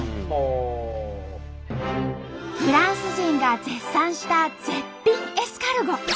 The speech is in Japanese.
フランス人が絶賛した絶品エスカルゴ。